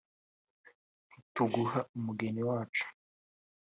“ntituguha umugeni wacu